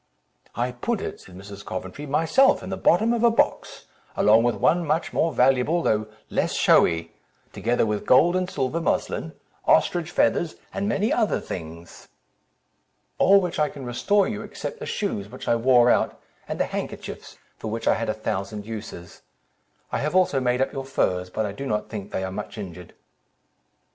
"I put it," said Mrs. Coventry, "myself in the bottom of a box, along with one much more valuable, though less showy, together with gold and silver muslin, ostrich feathers, and many other things." "All which I can restore you, except the shoes, which I wore out, and the handkerchiefs, for which I had a thousand uses. I have also made up your furs, but I do not think they are much injured."